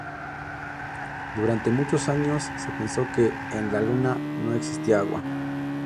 Durante muchos años se pensó que en la Luna no existía agua.